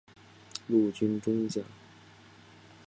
陆军中将。